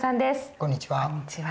こんにちは。